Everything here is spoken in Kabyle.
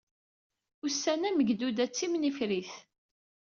Ussan-a, Megduda d timnifrit.